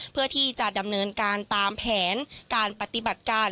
เพื่อที่จะดำเนินการตามแผนการปฏิบัติการ